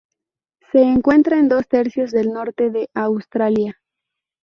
Se encuentra en dos tercios del norte de Australia.